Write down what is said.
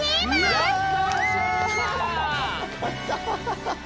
ハハハハハ！